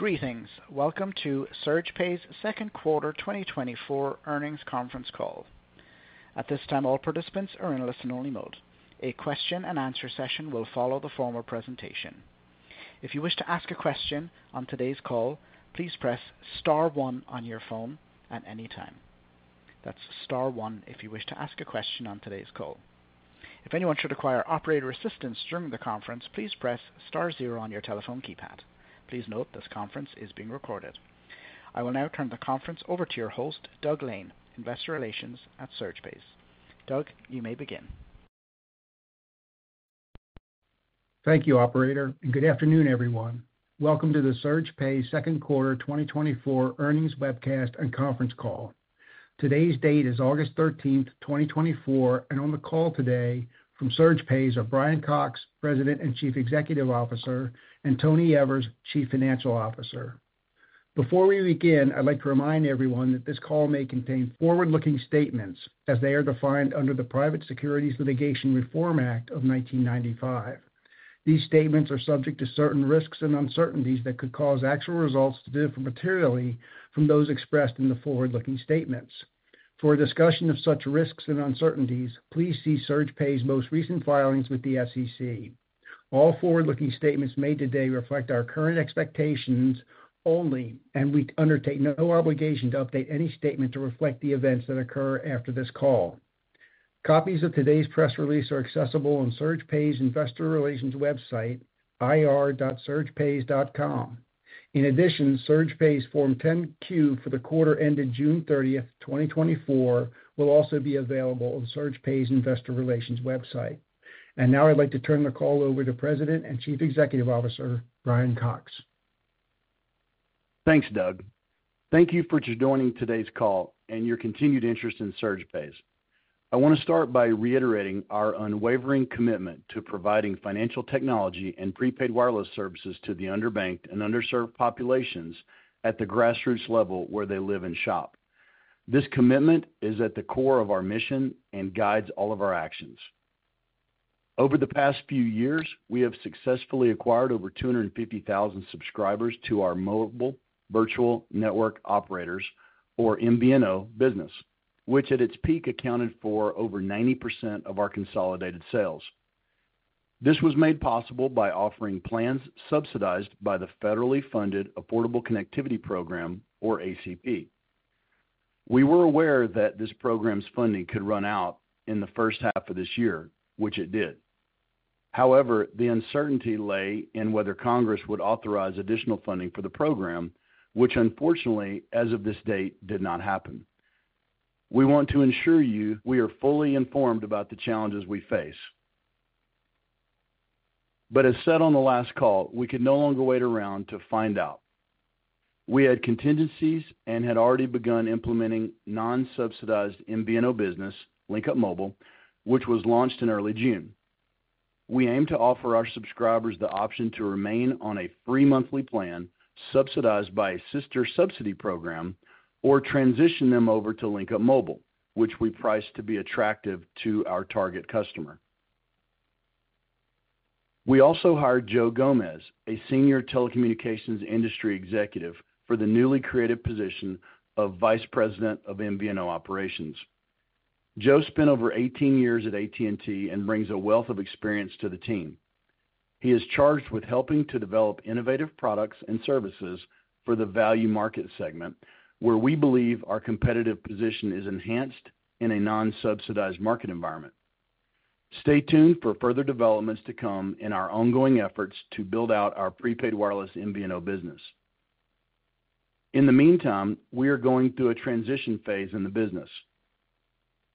Greetings! Welcome to SurgePays' second quarter 2024 earnings conference call. At this time, all participants are in listen-only mode. A question-and-answer session will follow the formal presentation. If you wish to ask a question on today's call, please press star one on your phone at any time. That's star one if you wish to ask a question on today's call. If anyone should require operator assistance during the conference, please press star zero on your telephone keypad. Please note, this conference is being recorded. I will now turn the conference over to your host, Doug Lane, Investor Relations at SurgePays. Doug, you may begin. Thank you, operator, and good afternoon, everyone. Welcome to the SurgePays second quarter 2024 earnings webcast and conference call. Today's date is August thirteenth, 2024, and on the call today from SurgePays are Brian Cox, President and Chief Executive Officer, and Tony Evers, Chief Financial Officer. Before we begin, I'd like to remind everyone that this call may contain forward-looking statements as they are defined under the Private Securities Litigation Reform Act of 1995. These statements are subject to certain risks and uncertainties that could cause actual results to differ materially from those expressed in the forward-looking statements. For a discussion of such risks and uncertainties, please see SurgePays' most recent filings with the SEC. All forward-looking statements made today reflect our current expectations only, and we undertake no obligation to update any statement to reflect the events that occur after this call. Copies of today's press release are accessible on SurgePays' Investor Relations website, ir.surgepays.com. In addition, SurgePays' Form 10-Q for the quarter ended June 30, 2024, will also be available on SurgePays' Investor Relations website. And now I'd like to turn the call over to President and Chief Executive Officer, Brian Cox. Thanks, Doug. Thank you for joining today's call and your continued interest in SurgePays. I want to start by reiterating our unwavering commitment to providing financial technology and prepaid wireless services to the underbanked and underserved populations at the grassroots level where they live and shop. This commitment is at the core of our mission and guides all of our actions. Over the past few years, we have successfully acquired over 250,000 subscribers to our Mobile Virtual Network Operators, or MVNO business, which at its peak, accounted for over 90% of our consolidated sales. This was made possible by offering plans subsidized by the federally funded Affordable Connectivity Program, or ACP. We were aware that this program's funding could run out in the first half of this year, which it did. However, the uncertainty lay in whether Congress would authorize additional funding for the program, which unfortunately, as of this date, did not happen. We want to ensure you we are fully informed about the challenges we face. As said on the last call, we could no longer wait around to find out. We had contingencies and had already begun implementing non-subsidized MVNO business, LinkUp Mobile, which was launched in early June. We aim to offer our subscribers the option to remain on a free monthly plan, subsidized by a sister subsidy program, or transition them over to LinkUp Mobile, which we priced to be attractive to our target customer. We also hired Joe Gomez, a senior telecommunications industry executive, for the newly created position of Vice President of MVNO Operations. Joe spent over 18 years at AT&T and brings a wealth of experience to the team. He is charged with helping to develop innovative products and services for the value market segment, where we believe our competitive position is enhanced in a non-subsidized market environment. Stay tuned for further developments to come in our ongoing efforts to build out our prepaid wireless MVNO business. In the meantime, we are going through a transition phase in the business.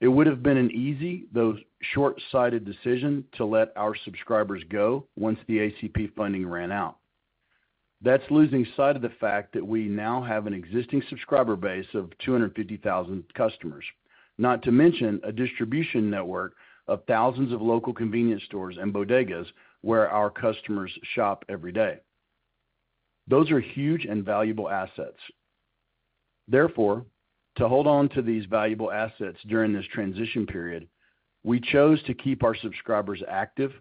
It would have been an easy, though short-sighted decision to let our subscribers go once the ACP funding ran out. That's losing sight of the fact that we now have an existing subscriber base of 250,000 customers, not to mention a distribution network of thousands of local convenience stores and bodegas where our customers shop every day. Those are huge and valuable assets. Therefore, to hold on to these valuable assets during this transition period, we chose to keep our subscribers active,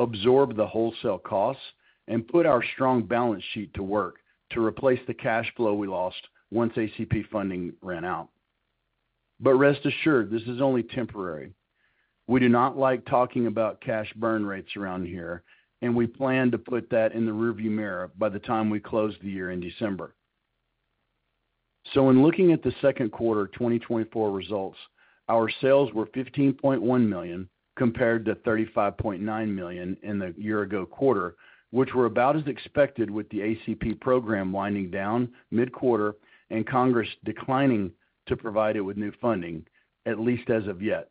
absorb the wholesale costs, and put our strong balance sheet to work to replace the cash flow we lost once ACP funding ran out. But rest assured, this is only temporary. We do not like talking about cash burn rates around here, and we plan to put that in the rearview mirror by the time we close the year in December. So in looking at the second quarter 2024 results, our sales were $15.1 million, compared to $35.9 million in the year-ago quarter, which were about as expected with the ACP program winding down mid-quarter and Congress declining to provide it with new funding, at least as of yet.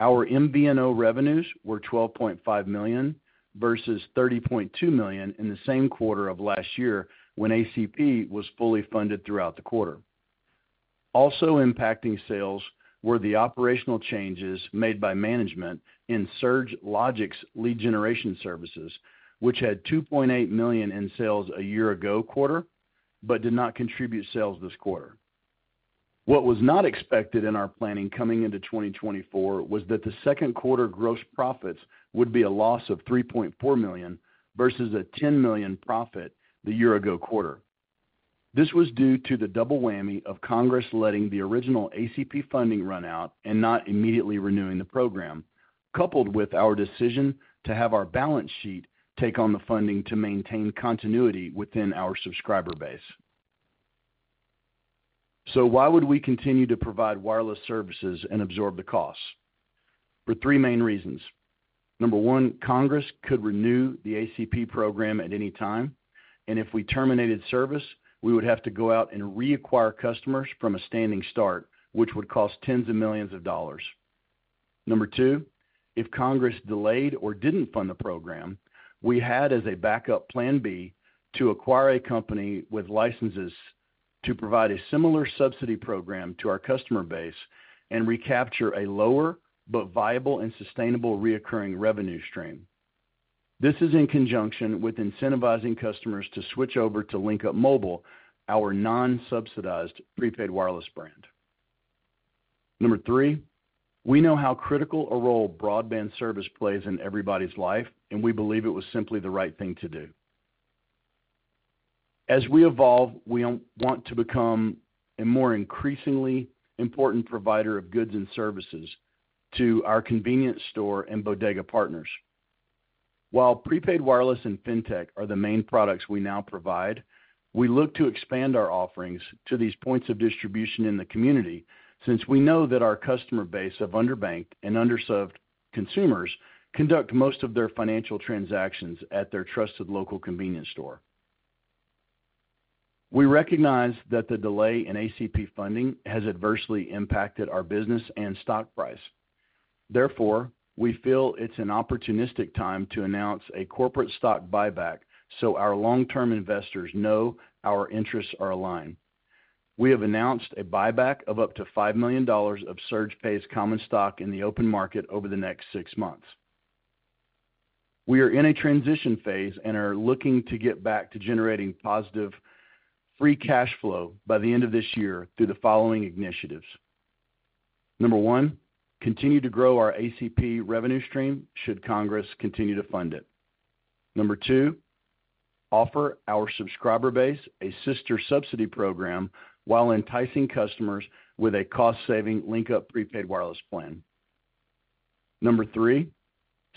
Our MVNO revenues were $12.5 million versus $30.2 million in the same quarter of last year when ACP was fully funded throughout the quarter. Also impacting sales were the operational changes made by management in SurgeLogix lead generation services, which had $2.8 million in sales a year ago quarter, but did not contribute sales this quarter. What was not expected in our planning coming into 2024 was that the second quarter gross profits would be a loss of $3.4 million, versus a $10 million profit the year ago quarter. This was due to the double whammy of Congress letting the original ACP funding run out and not immediately renewing the program, coupled with our decision to have our balance sheet take on the funding to maintain continuity within our subscriber base. So why would we continue to provide wireless services and absorb the costs? For three main reasons. Number one, Congress could renew the ACP program at any time, and if we terminated service, we would have to go out and reacquire customers from a standing start, which would cost $tens of millions. Number two, if Congress delayed or didn't fund the program, we had, as a backup plan B, to acquire a company with licenses to provide a similar subsidy program to our customer base and recapture a lower but viable and sustainable reoccurring revenue stream. This is in conjunction with incentivizing customers to switch over to LinkUp Mobile, our non-subsidized prepaid wireless brand. Number three, we know how critical a role broadband service plays in everybody's life, and we believe it was simply the right thing to do. As we evolve, we want to become a more increasingly important provider of goods and services to our convenience store and bodega partners. While prepaid wireless and fintech are the main products we now provide, we look to expand our offerings to these points of distribution in the community, since we know that our customer base of underbanked and underserved consumers conduct most of their financial transactions at their trusted local convenience store. We recognize that the delay in ACP funding has adversely impacted our business and stock price. Therefore, we feel it's an opportunistic time to announce a corporate stock buyback, so our long-term investors know our interests are aligned. We have announced a buyback of up to $5 million of SurgePays common stock in the open market over the next six months. We are in a transition phase and are looking to get back to generating positive free cash flow by the end of this year through the following initiatives. Number 1, continue to grow our ACP revenue stream should Congress continue to fund it. Number 2, offer our subscriber base a sister subsidy program while enticing customers with a cost-saving LinkUp prepaid wireless plan. Number 3,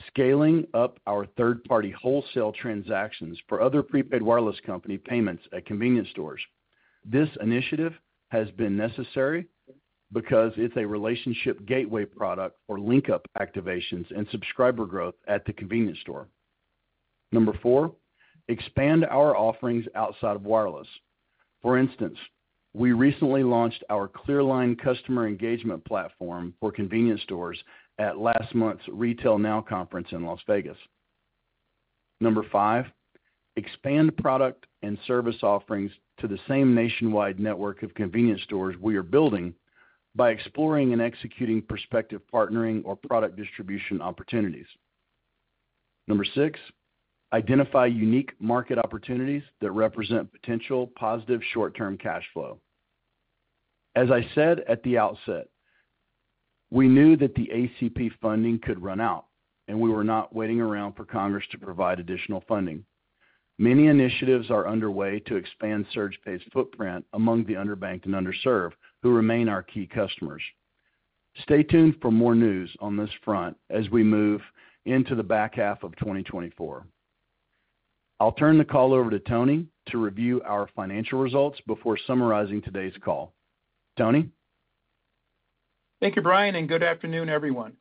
scaling up our third-party wholesale transactions for other prepaid wireless company payments at convenience stores. This initiative has been necessary because it's a relationship gateway product for LinkUp activations and subscriber growth at the convenience store. Number 4, expand our offerings outside of wireless. For instance, we recently launched our ClearLine customer engagement platform for convenience stores at last month's RetailNOW conference in Las Vegas. Number 5, expand product and service offerings to the same nationwide network of convenience stores we are building by exploring and executing prospective partnering or product distribution opportunities. Number 6, identify unique market opportunities that represent potential positive short-term cash flow. As I said at the outset, we knew that the ACP funding could run out, and we were not waiting around for Congress to provide additional funding. Many initiatives are underway to expand SurgePays' footprint among the underbanked and underserved, who remain our key customers. Stay tuned for more news on this front as we move into the back half of 2024. I'll turn the call over to Tony to review our financial results before summarizing today's call. Tony? Thank you, Brian, and good afternoon, everyone.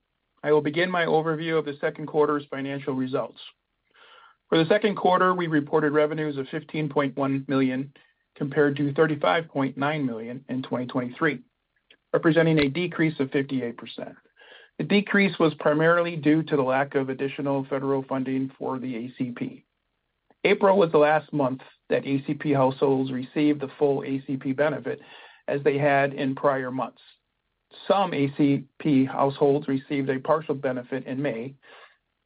I will begin my overview of the second quarter's financial results. For the second quarter, we reported revenues of $15.1 million, compared to $35.9 million in 2023, representing a decrease of 58%. The decrease was primarily due to the lack of additional federal funding for the ACP. April was the last month that ACP households received the full ACP benefit as they had in prior months. Some ACP households received a partial benefit in May,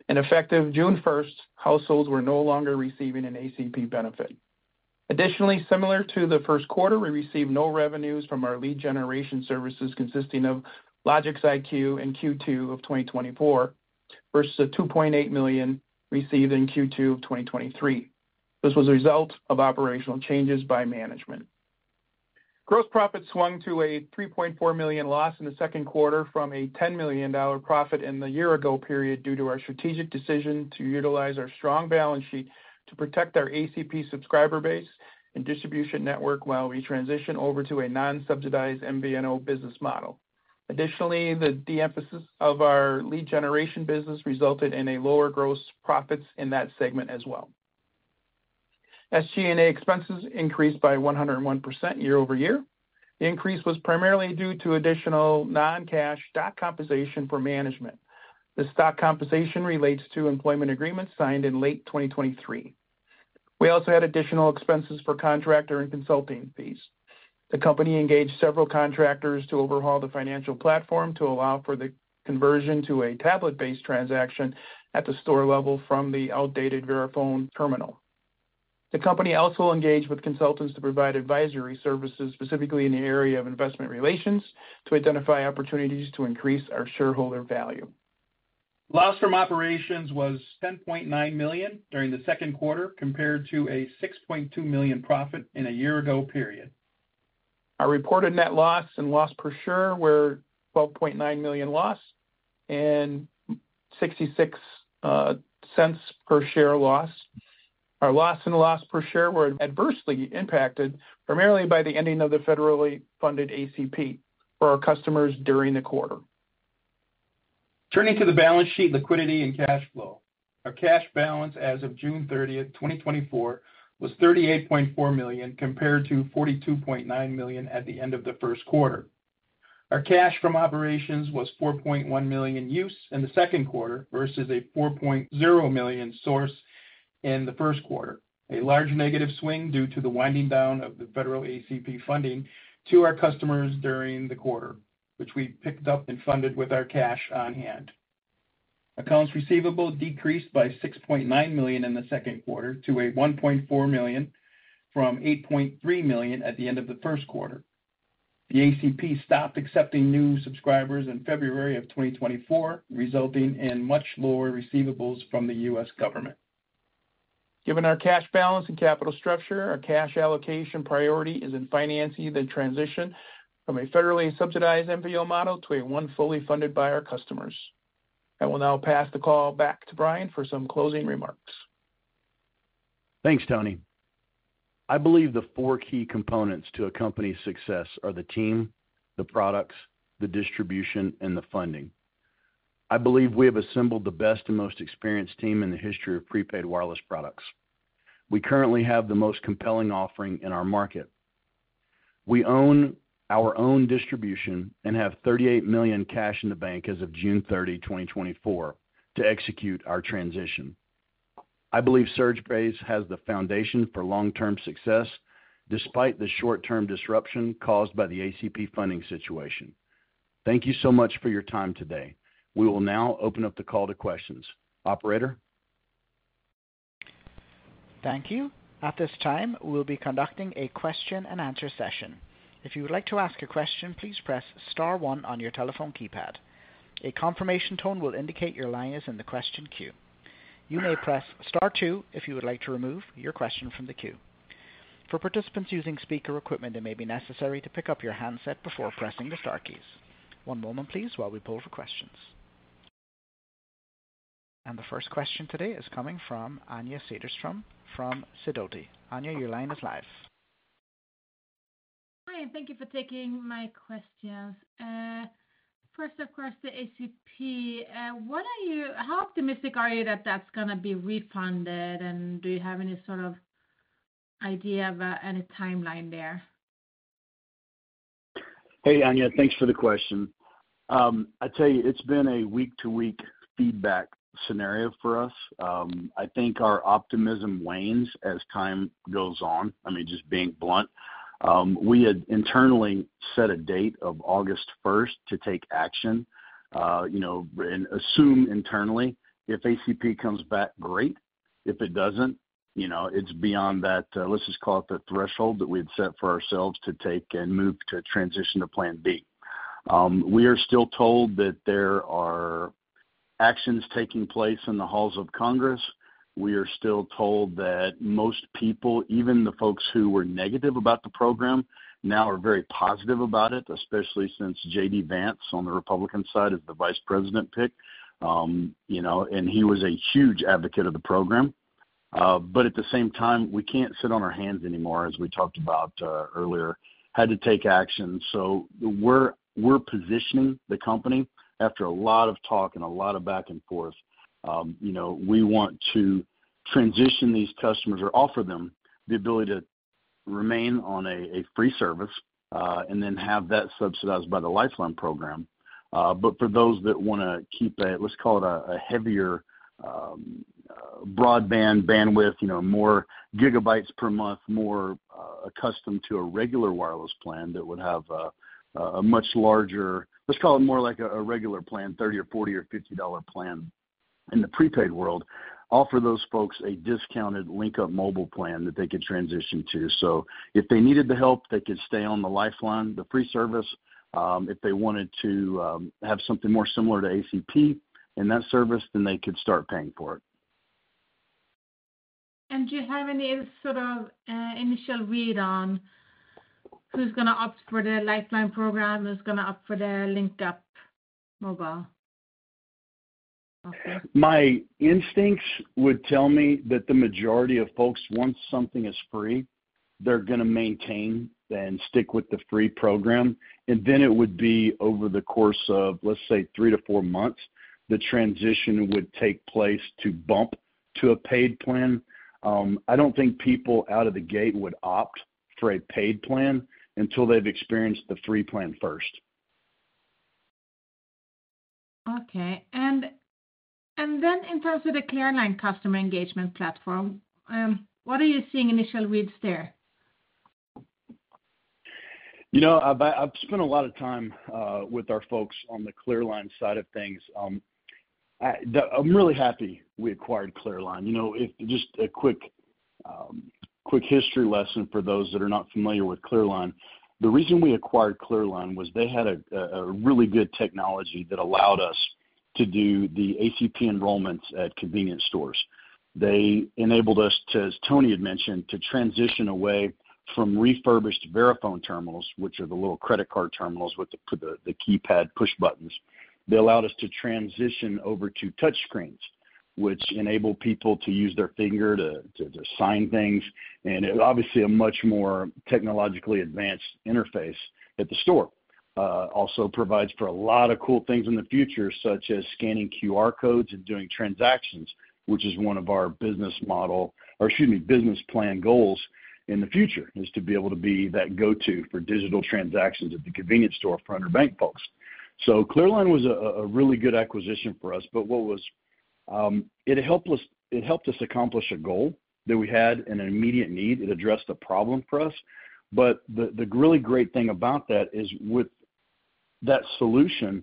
and effective June first, households were no longer receiving an ACP benefit. Additionally, similar to the first quarter, we received no revenues from our lead generation services, consisting of LogicsIQ in Q2 of 2024, versus the $2.8 million received in Q2 of 2023. This was a result of operational changes by management. Gross profit swung to a $3.4 million loss in the second quarter from a $10 million profit in the year-ago period, due to our strategic decision to utilize our strong balance sheet to protect our ACP subscriber base and distribution network while we transition over to a non-subsidized MVNO business model. Additionally, the de-emphasis of our lead generation business resulted in a lower gross profits in that segment as well. SG&A expenses increased by 101% year-over-year. The increase was primarily due to additional non-cash stock compensation for management. The stock compensation relates to employment agreements signed in late 2023. We also had additional expenses for contractor and consulting fees. The company engaged several contractors to overhaul the financial platform to allow for the conversion to a tablet-based transaction at the store level from the outdated Verifone terminal. The company also engaged with consultants to provide advisory services, specifically in the area of investment relations, to identify opportunities to increase our shareholder value. Loss from operations was $10.9 million during the second quarter, compared to a $6.2 million profit in a year-ago period. Our reported net loss and loss per share were $12.9 million loss and $0.66 per share loss. Our loss and loss per share were adversely impacted primarily by the ending of the federally funded ACP for our customers during the quarter. Turning to the balance sheet, liquidity, and cash flow. Our cash balance as of June 30th, 2024, was $38.4 million, compared to $42.9 million at the end of the first quarter. Our cash from operations was $4.1 million in use in the second quarter, versus a $4.0 million source in the first quarter. A large negative swing due to the winding down of the federal ACP funding to our customers during the quarter, which we picked up and funded with our cash on hand. Accounts receivable decreased by $6.9 million in the second quarter to $1.4 million from $8.3 million at the end of the first quarter. The ACP stopped accepting new subscribers in February 2024, resulting in much lower receivables from the U.S. government. Given our cash balance and capital structure, our cash allocation priority is in financing the transition from a federally subsidized MVNO model to one fully funded by our customers. I will now pass the call back to Brian for some closing remarks. Thanks, Tony. I believe the four key components to a company's success are the team, the products, the distribution, and the funding. I believe we have assembled the best and most experienced team in the history of prepaid wireless products. We currently have the most compelling offering in our market. We own our own distribution and have $38 million cash in the bank as of June 30, 2024, to execute our transition. I believe SurgePays has the foundation for long-term success, despite the short-term disruption caused by the ACP funding situation. Thank you so much for your time today. We will now open up the call to questions. Operator? Thank you. At this time, we'll be conducting a question and answer session. If you would like to ask a question, please press star one on your telephone keypad. A confirmation tone will indicate your line is in the question queue. You may press star two if you would like to remove your question from the queue. For participants using speaker equipment, it may be necessary to pick up your handset before pressing the star keys. One moment please, while we pull for questions. The first question today is coming from Anja Soderstrom from Sidoti. Anja, your line is live. Hi, and thank you for taking my questions. First, of course, the ACP. What are you—how optimistic are you that that's gonna be refunded? And do you have any sort of idea of any timeline there? Hey, Anja, thanks for the question. I'd tell you, it's been a week-to-week feedback scenario for us. I think our optimism wanes as time goes on. I mean, just being blunt, we had internally set a date of August first to take action, you know, and assume internally, if ACP comes back, great. If it doesn't, you know, it's beyond that, let's just call it the threshold that we'd set for ourselves to take and move to transition to plan B. We are still told that there are actions taking place in the halls of Congress. We are still told that most people, even the folks who were negative about the program, now are very positive about it, especially since J.D. Vance, on the Republican side, is the vice president pick. You know, and he was a huge advocate of the program. But at the same time, we can't sit on our hands anymore, as we talked about earlier, had to take action. So we're positioning the company after a lot of talk and a lot of back and forth. You know, we want to transition these customers or offer them the ability to remain on a free service, and then have that subsidized by the Lifeline program. But for those that wanna keep a, let's call it a heavier broadband bandwidth, you know, more gigabytes per month, more accustomed to a regular wireless plan that would have a much larger. Let's call it more like a regular plan, $30 or $40 or $50 plan in the prepaid world, offer those folks a discounted LinkUp Mobile plan that they could transition to. So if they needed the help, they could stay on the Lifeline, the free service. If they wanted to have something more similar to ACP and that service, then they could start paying for it. Do you have any sort of initial read on who's gonna opt for the Lifeline program, who's gonna opt for the LinkUp Mobile? My instincts would tell me that the majority of folks, once something is free, they're gonna maintain, then stick with the free program. And then it would be over the course of, let's say, 3-4 months, the transition would take place to bump to a paid plan. I don't think people out of the gate would opt for a paid plan until they've experienced the free plan first. Okay. And, and then in terms of the ClearLine customer engagement platform, what are you seeing initial reads there? You know, I've spent a lot of time with our folks on the ClearLine side of things. I'm really happy we acquired ClearLine. You know, if just a quick quick history lesson for those that are not familiar with ClearLine, the reason we acquired ClearLine was they had a really good technology that allowed us to do the ACP enrollments at convenience stores. They enabled us to, as Tony had mentioned, to transition away from refurbished Verifone terminals, which are the little credit card terminals with the keypad push buttons. They allowed us to transition over to touch screens, which enable people to use their finger to sign things, and obviously, a much more technologically advanced interface at the store. Also provides for a lot of cool things in the future, such as scanning QR codes and doing transactions, which is one of our business model, or excuse me, business plan goals in the future, is to be able to be that go-to for digital transactions at the convenience store for underbanked folks. So ClearLine was a really good acquisition for us, but it helped us, it helped us accomplish a goal that we had and an immediate need. It addressed a problem for us. But the really great thing about that is with that solution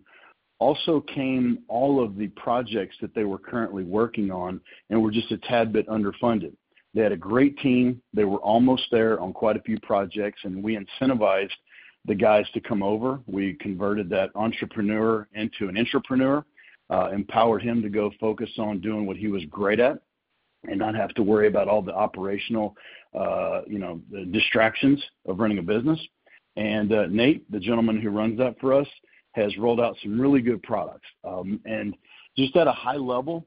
also came all of the projects that they were currently working on and were just a tad bit underfunded. They had a great team. They were almost there on quite a few projects, and we incentivized the guys to come over. We converted that entrepreneur into an intrapreneur, empowered him to go focus on doing what he was great at and not have to worry about all the operational, you know, the distractions of running a business. And, Nate, the gentleman who runs that for us, has rolled out some really good products. And just at a high level,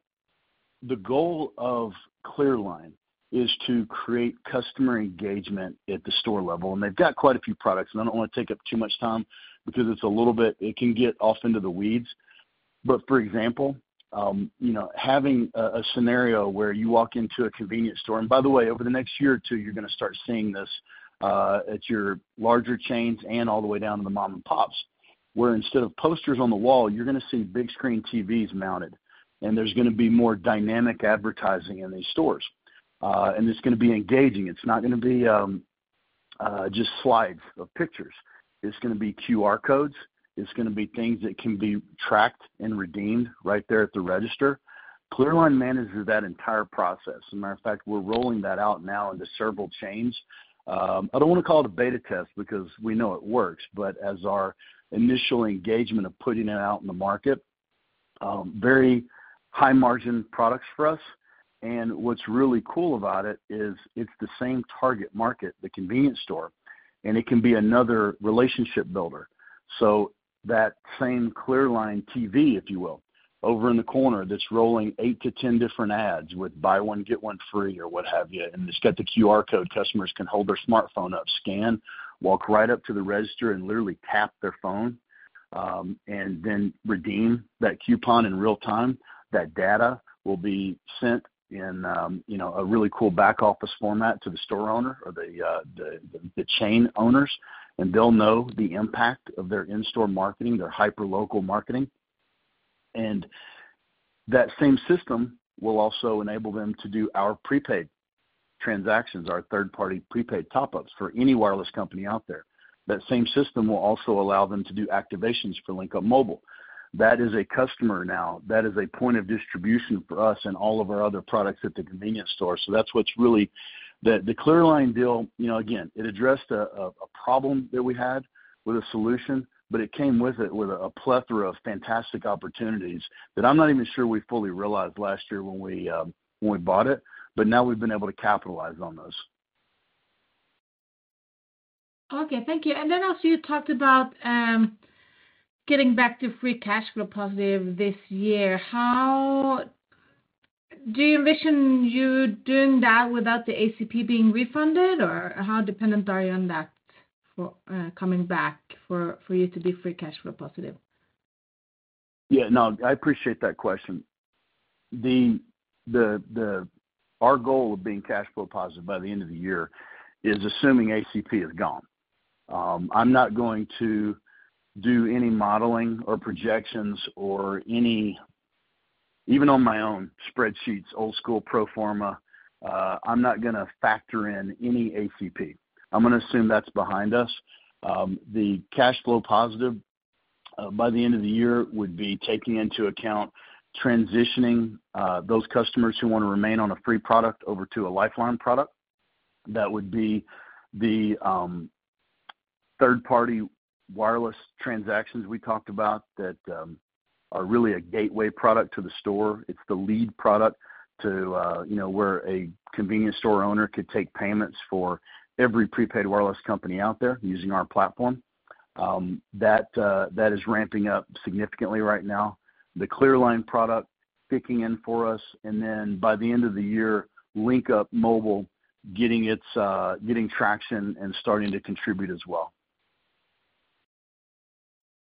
the goal of ClearLine is to create customer engagement at the store level, and they've got quite a few products, and I don't want to take up too much time because it's a little bit. It can get off into the weeds. But, for example, you know, having a scenario where you walk into a convenience store, and by the way, over the next year or two, you're going to start seeing this, at your larger chains and all the way down to the mom and pops, where instead of posters on the wall, you're going to see big screen TVs mounted, and there's going to be more dynamic advertising in these stores. And it's going to be engaging. It's not going to be just slides of pictures. It's going to be QR codes. It's going to be things that can be tracked and redeemed right there at the register. ClearLine manages that entire process. As a matter of fact, we're rolling that out now into several chains. I don't want to call it a beta test because we know it works, but as our initial engagement of putting it out in the market, very high-margin products for us. And what's really cool about it is it's the same target market, the convenience store, and it can be another relationship builder. So that same ClearLine TV, if you will, over in the corner, that's rolling 8-10 different ads with buy one, get one free, or what have you, and it's got the QR code. Customers can hold their smartphone up, scan, walk right up to the register and literally tap their phone, and then redeem that coupon in real time. That data will be sent in, you know, a really cool back office format to the store owner or the chain owners, and they'll know the impact of their in-store marketing, their hyper local marketing. That same system will also enable them to do our prepaid transactions, our third-party prepaid top-ups for any wireless company out there. That same system will also allow them to do activations for LinkUp Mobile. That is a customer now. That is a point of distribution for us and all of our other products at the convenience store. So that's what's really. The ClearLine deal, you know, again, it addressed a problem that we had with a solution, but it came with a plethora of fantastic opportunities that I'm not even sure we fully realized last year when we bought it, but now we've been able to capitalize on those. Okay, thank you. And then also you talked about getting back to free cash flow positive this year. How do you envision doing that without the ACP being refunded, or how dependent are you on that for coming back for you to be free cash flow positive? Yeah, no, I appreciate that question. Our goal of being cash flow positive by the end of the year is assuming ACP is gone. I'm not going to do any modeling or projections or any, even on my own spreadsheets, old school pro forma, I'm not going to factor in any ACP. I'm going to assume that's behind us. The cash flow positive by the end of the year would be taking into account transitioning those customers who want to remain on a free product over to a Lifeline product. That would be the third-party wireless transactions we talked about that are really a gateway product to the store. It's the lead product to, you know, where a convenience store owner could take payments for every prepaid wireless company out there using our platform. That is ramping up significantly right now. The ClearLine product kicking in for us, and then by the end of the year, LinkUp Mobile getting its traction and starting to contribute as well.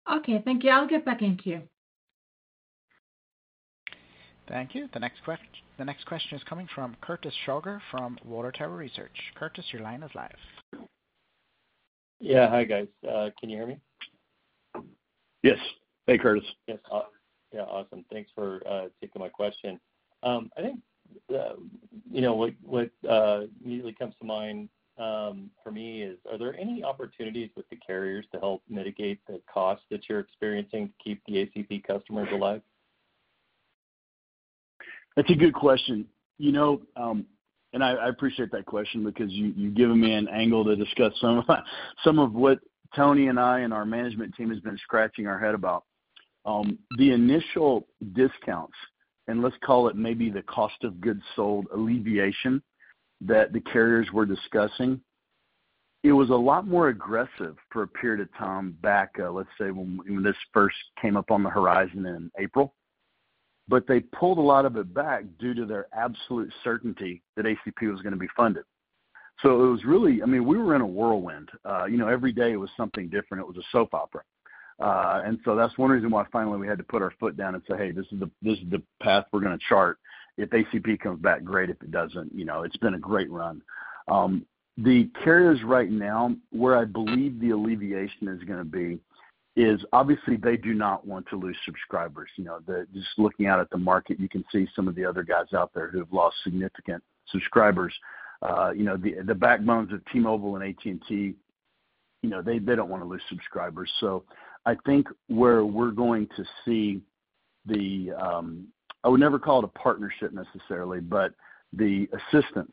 Okay, thank you. I'll get back in queue. Thank you. The next question is coming from Curtis Shauger from Water Tower Research. Curtis, your line is live. Yeah. Hi, guys. Can you hear me? Yes. Hey, Curtis. Yes. Yeah, awesome. Thanks for taking my question. I think, you know, what immediately comes to mind for me is, are there any opportunities with the carriers to help mitigate the costs that you're experiencing to keep the ACP customers alive? That's a good question. You know, and I appreciate that question because you've given me an angle to discuss some of the, some of what Tony and I and our management team has been scratching our head about. The initial discounts, and let's call it maybe the cost of goods sold alleviation that the carriers were discussing, it was a lot more aggressive for a period of time back, let's say, when this first came up on the horizon in April. But they pulled a lot of it back due to their absolute certainty that ACP was gonna be funded. So it was really I mean, we were in a whirlwind. You know, every day it was something different. It was a soap opera. And so that's one reason why finally we had to put our foot down and say, "Hey, this is the, this is the path we're gonna chart. If ACP comes back, great. If it doesn't, you know, it's been a great run." The carriers right now, where I believe the alleviation is gonna be is, obviously, they do not want to lose subscribers. You know, just looking out at the market, you can see some of the other guys out there who have lost significant subscribers. You know, the backbones of T-Mobile and AT&T, you know, they don't wanna lose subscribers. So I think where we're going to see the I would never call it a partnership necessarily, but the assistance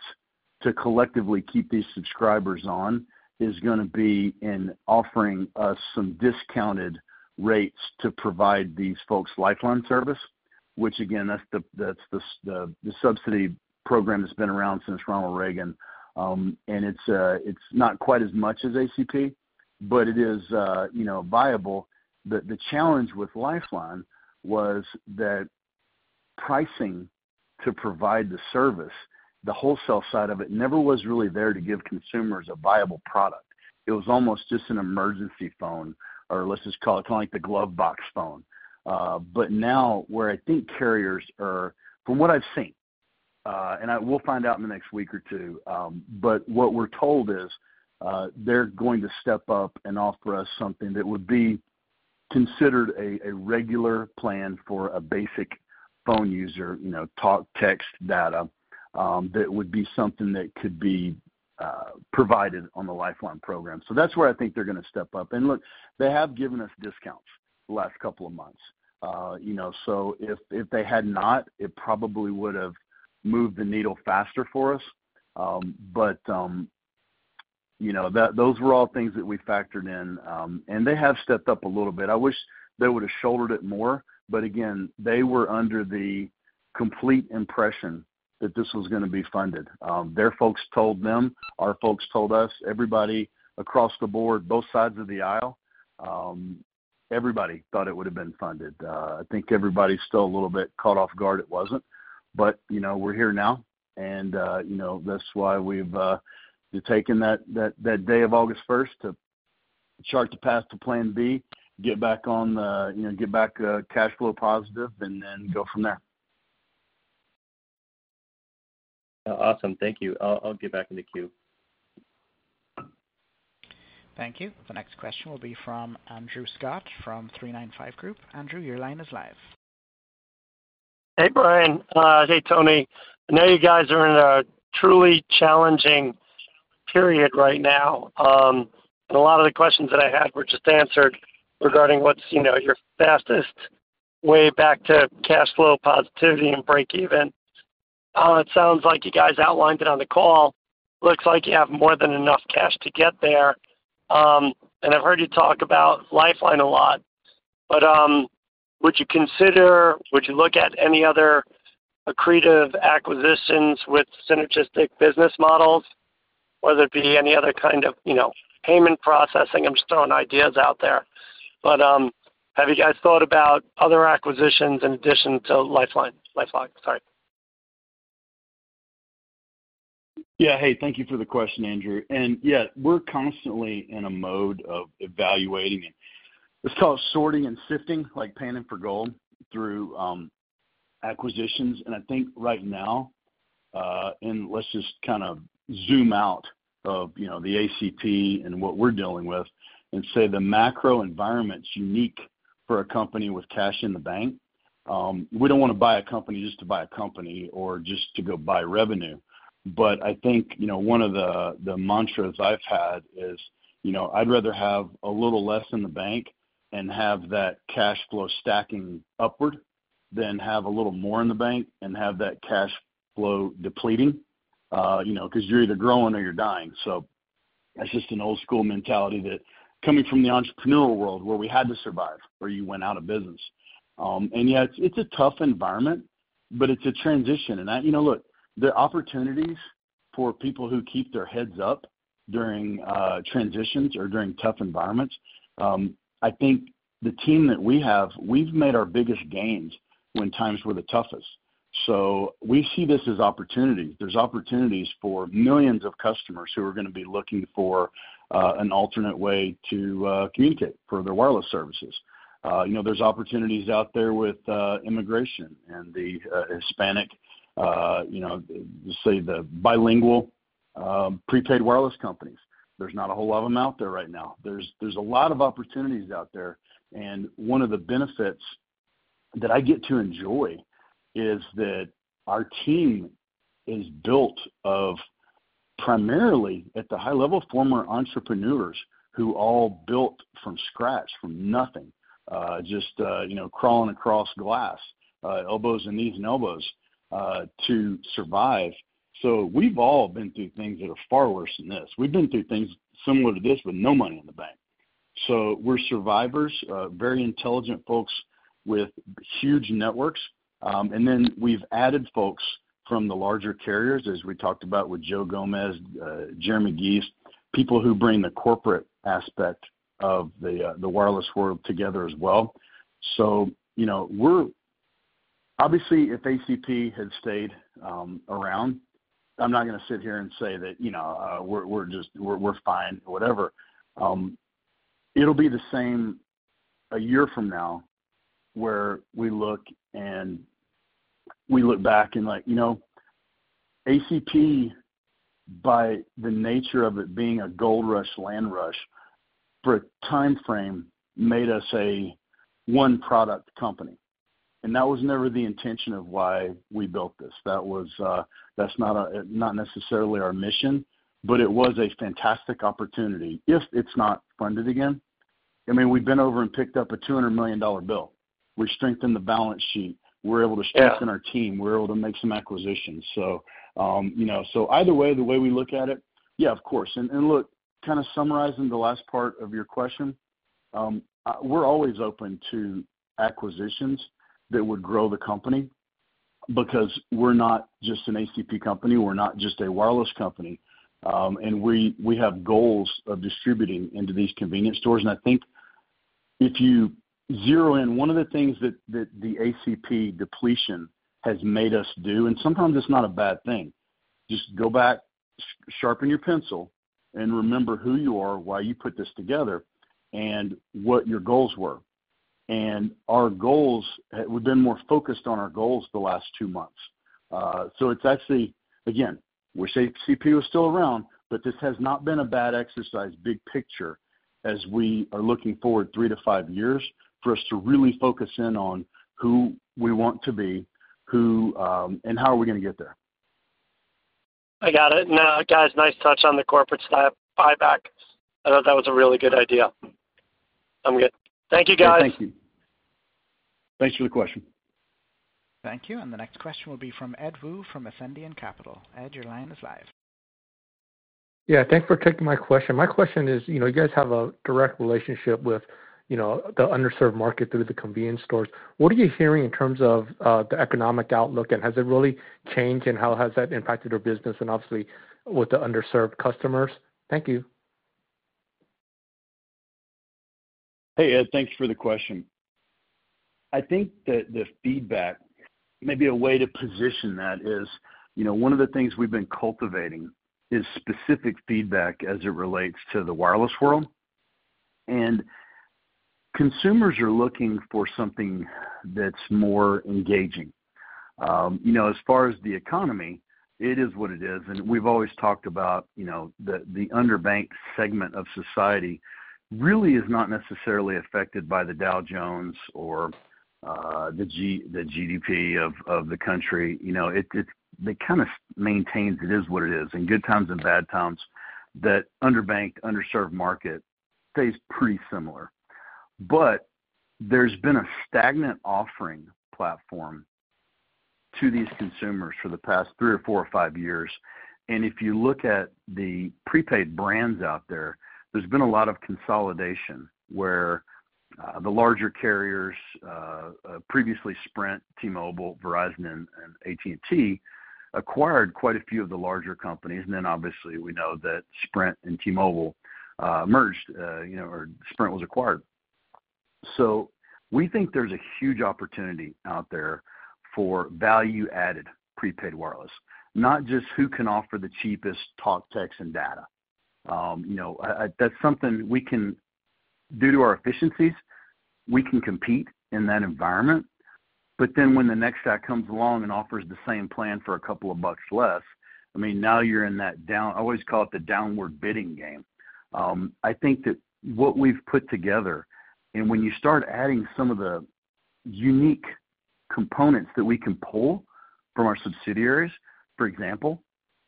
to collectively keep these subscribers on is gonna be in offering us some discounted rates to provide these folks Lifeline service, which again, that's the subsidy program that's been around since Ronald Reagan. And it's not quite as much as ACP, but it is, you know, viable. The challenge with Lifeline was that pricing to provide the service, the wholesale side of it, never was really there to give consumers a viable product. It was almost just an emergency phone, or let's just call it, kind of like the glove box phone. But now, where I think carriers are, from what I've seen, and we'll find out in the next week or two, but what we're told is, they're going to step up and offer us something that would be considered a regular plan for a basic phone user, you know, talk, text, data, that would be something that could be provided on the Lifeline program. So that's where I think they're gonna step up. And look, they have given us discounts the last couple of months. You know, so if they had not, it probably would've moved the needle faster for us. But you know, that those were all things that we factored in, and they have stepped up a little bit. I wish they would've shouldered it more, but again, they were under the complete impression that this was gonna be funded. Their folks told them, our folks told us, everybody across the board, both sides of the aisle, everybody thought it would've been funded. I think everybody's still a little bit caught off guard it wasn't, but, you know, we're here now, and, you know, that's why we've taken that day of August first to chart the path to plan B, get back on, you know, get back, cash flow positive, and then go from there. Awesome. Thank you. I'll get back in the queue. Thank you. The next question will be from Andrew Scott from 395 Group. Andrew, your line is live. Hey, Brian. Hey, Tony. I know you guys are in a truly challenging period right now. And a lot of the questions that I had were just answered regarding what's, you know, your fastest way back to cash flow positivity and break even. It sounds like you guys outlined it on the call. Looks like you have more than enough cash to get there. And I've heard you talk about Lifeline a lot, but would you consider, would you look at any other accretive acquisitions with synergistic business models, whether it be any other kind of, you know, payment processing? I'm just throwing ideas out there. But have you guys thought about other acquisitions in addition to Lifeline? Lifeline, sorry. Yeah. Hey, thank you for the question, Andrew, and yeah, we're constantly in a mode of evaluating it. Let's call it sorting and sifting, like panning for gold through acquisitions. And I think right now, and let's just kind of zoom out of, you know, the ACP and what we're dealing with and say the macro environment's unique for a company with cash in the bank. We don't want to buy a company just to buy a company or just to go buy revenue. But I think, you know, one of the mantras I've had is, you know, I'd rather have a little less in the bank and have that cash flow stacking upward than have a little more in the bank and have that cash flow depleting. You know, 'cause you're either growing or you're dying. So that's just an old school mentality that coming from the entrepreneurial world, where we had to survive, or you went out of business. And yeah, it's a tough environment, but it's a transition. And, you know, look, the opportunities for people who keep their heads up during transitions or during tough environments. I think the team that we have, we've made our biggest gains when times were the toughest. So we see this as opportunity. There's opportunities for millions of customers who are gonna be looking for an alternate way to communicate for their wireless services. You know, there's opportunities out there with immigration and the Hispanic, you know, say, the bilingual prepaid wireless companies. There's not a whole lot of them out there right now. There's a lot of opportunities out there, and one of the benefits that I get to enjoy is that our team is built of primarily, at the high level, former entrepreneurs who all built from scratch, from nothing, just, you know, crawling across glass, elbows, knees, and elbows, to survive. So we've all been through things that are far worse than this. We've been through things similar to this with no money in the bank. So we're survivors, very intelligent folks with huge networks. And then we've added folks from the larger carriers, as we talked about with Joe Gomez, Jeremy Gies, people who bring the corporate aspect of the wireless world together as well. So, you know, we're obviously, if ACP had stayed around, I'm not gonna sit here and say that, you know, we're fine, whatever. It'll be the same a year from now, where we look back and like, you know, ACP, by the nature of it being a gold rush, land rush, for a timeframe, made us a one-product company. And that was never the intention of why we built this. That was not necessarily our mission, but it was a fantastic opportunity. If it's not funded again, I mean, we've been over and picked up a $200 million dollar bill. We strengthened the balance sheet. We're able to strengthen our team. We're able to make some acquisitions. So, you know, so either way, the way we look at it. Yeah, of course. And look, kind of summarizing the last part of your question, we're always open to acquisitions that would grow the company, because we're not just an ACP company, we're not just a wireless company, and we have goals of distributing into these convenience stores. And I think if you zero in, one of the things that the ACP depletion has made us do, and sometimes it's not a bad thing, just go back, sharpen your pencil, and remember who you are, why you put this together, and what your goals were. And our goals, we've been more focused on our goals the last two months. It's actually, again, wish ACP was still around, but this has not been a bad exercise, big picture, as we are looking forward 3-5 years for us to really focus in on who we want to be, who, and how are we gonna get there. I got it. Now, guys, nice touch on the corporate style buyback. I thought that was a really good idea. I'm good. Thank you, guys. Thank you. Thanks for the question. Thank you. And the next question will be from Edward Woo, from Ascendiant Capital. Ed, your line is live. Yeah, thanks for taking my question. My question is, you know, you guys have a direct relationship with, you know, the underserved market through the convenience stores. What are you hearing in terms of the economic outlook, and has it really changed, and how has that impacted your business and obviously with the underserved customers? Thank you. Hey, Ed, thanks for the question. I think that the feedback, maybe a way to position that is, you know, one of the things we've been cultivating is specific feedback as it relates to the wireless world. And consumers are looking for something that's more engaging. You know, as far as the economy, it is what it is, and we've always talked about, you know, the underbanked segment of society really is not necessarily affected by the Dow Jones or, the GDP of the country. You know, it kind of maintains it is what it is, in good times and bad times, that underbanked, underserved market stays pretty similar. But there's been a stagnant offering platform to these consumers for the past 3 or 4 or 5 years, and if you look at the prepaid brands out there, there's been a lot of consolidation, where, the larger carriers, previously Sprint, T-Mobile, Verizon, and, and AT&T, acquired quite a few of the larger companies. And then obviously, we know that Sprint and T-Mobile, merged, you know, or Sprint was acquired. So we think there's a huge opportunity out there for value-added prepaid wireless, not just who can offer the cheapest talk, text, and data. You know, that's something we can. Due to our efficiencies, we can compete in that environment, but then when the next guy comes along and offers the same plan for a couple of bucks less, I mean, now you're in that down. I always call it the downward bidding game. I think that what we've put together, and when you start adding some of the unique components that we can pull from our subsidiaries. For example,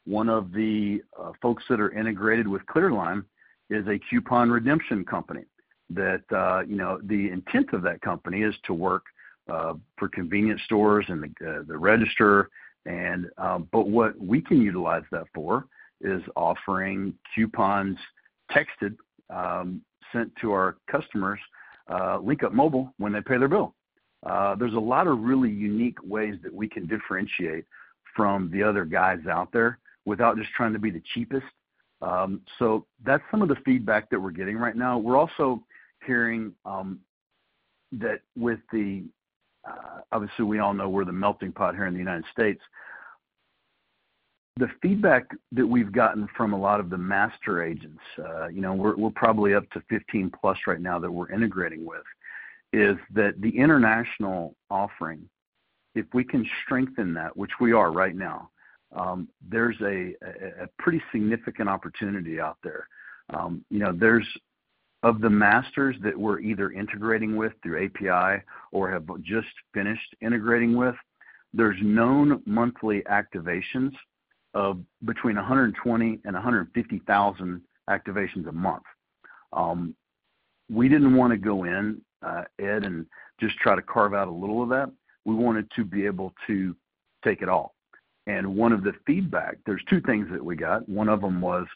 one of the folks that are integrated with ClearLine is a coupon redemption company that, you know, the intent of that company is to work for convenience stores and the register. But what we can utilize that for is offering coupons, texted, sent to our customers, LinkUp Mobile, when they pay their bill. There's a lot of really unique ways that we can differentiate from the other guys out there without just trying to be the cheapest. So that's some of the feedback that we're getting right now. We're also hearing that with the. Obviously, we all know we're the melting pot here in the United States. The feedback that we've gotten from a lot of the master agents, you know, we're probably up to 15+ right now that we're integrating with is that the international offering, if we can strengthen that, which we are right now, there's a pretty significant opportunity out there. You know, of the masters that we're either integrating with through API or have just finished integrating with, there's known monthly activations of between 120 and 150,000 activations a month. We didn't wanna go in, Ed, and just try to carve out a little of that. We wanted to be able to take it all. And one of the feedback. There's two things that we got. One of them was,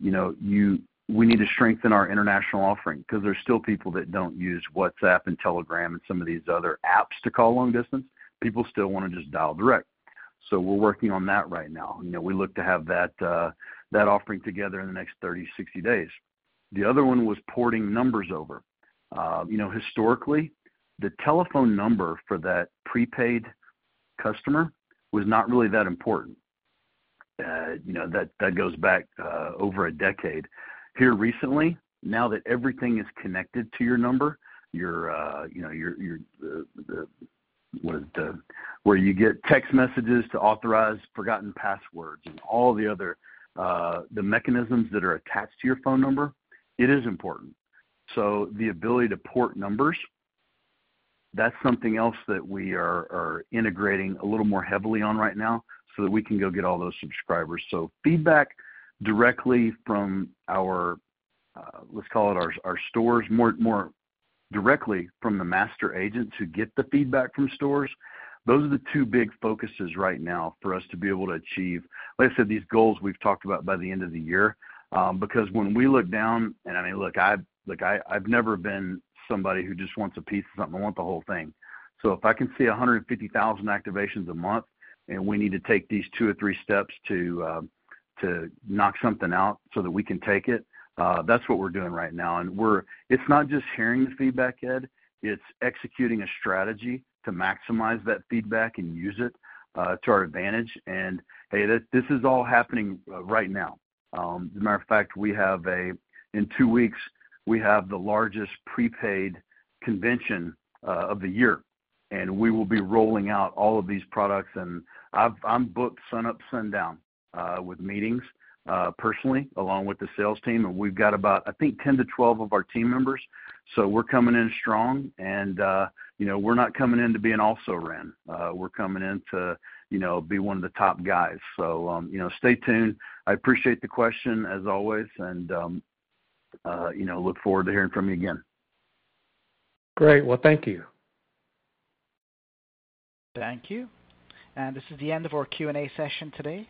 you know, we need to strengthen our international offering because there's still people that don't use WhatsApp and Telegram and some of these other apps to call long distance. People still wanna just dial direct. So we're working on that right now. You know, we look to have that offering together in the next 30, 60 days. The other one was porting numbers over. You know, historically, the telephone number for that prepaid customer was not really that important. You know, that goes back over a decade. Here recently, now that everything is connected to your number, your, you know, What is it? Where you get text messages to authorize forgotten passwords and all the other, the mechanisms that are attached to your phone number, it is important. So the ability to port numbers, that's something else that we are integrating a little more heavily on right now, so that we can go get all those subscribers. So feedback directly from our, let's call it our stores, more directly from the master agents who get the feedback from stores. Those are the two big focuses right now for us to be able to achieve, like I said, these goals we've talked about by the end of the year. Because when we look down, and I mean, look, I, I've never been somebody who just wants a piece of something. I want the whole thing. So if I can see 150,000 activations a month, and we need to take these two or three steps to knock something out so that we can take it, that's what we're doing right now. It's not just hearing the feedback, Ed. It's executing a strategy to maximize that feedback and use it to our advantage. And, hey, this, this is all happening right now. As a matter of fact, in two weeks, we have the largest prepaid convention of the year, and we will be rolling out all of these products. I'm booked sun up, sun down with meetings personally, along with the sales team. And we've got about, I think, 10-12 of our team members, so we're coming in strong and, you know, we're not coming in to be an also-ran. We're coming in to, you know, be one of the top guys. So, you know, stay tuned. I appreciate the question, as always, and, you know, look forward to hearing from you again. Great. Well, thank you. Thank you. This is the end of our Q&A session today.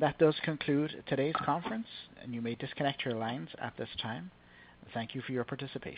That does conclude today's conference, and you may disconnect your lines at this time. Thank you for your participation.